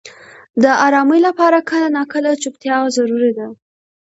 • د آرامۍ لپاره کله ناکله چوپتیا ضروري ده.